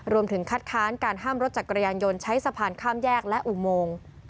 รวมถึงคัดค้านการห้ามรถจักรยานยนต์ใช้สะพานข้ามแยกและอุโมง